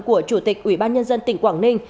của chủ tịch ủy ban nhân dân tỉnh quảng ninh